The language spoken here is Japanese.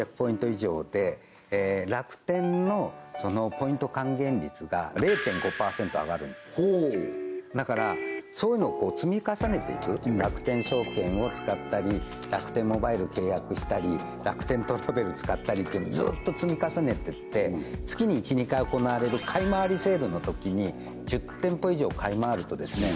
以上で楽天のポイント還元率が０．５％上がるんですだからそういうのを積み重ねていく楽天証券を使ったり楽天モバイル契約したり楽天トラベル使ったりってのをずっと積み重ねてって月に１２回行われる買い回りセールのときに１０店舗以上買い回るとですね